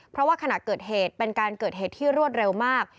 เพราะว่าขณะเกิดเหตุเป็นการเกิดเหตุที่รวดเร็วมาก